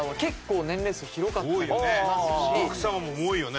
奥さまも多いよね。